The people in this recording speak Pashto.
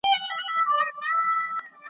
شاته هیڅ څوک نه سي تللای دا قانون دی .